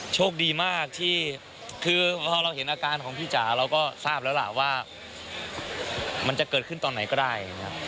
โชคดีมากที่คือพอเราเห็นอาการของพี่จ๋าเราก็ทราบแล้วล่ะว่ามันจะเกิดขึ้นตอนไหนก็ได้